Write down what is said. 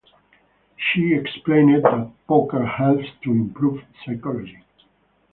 She explained that poker helps to improve psychology.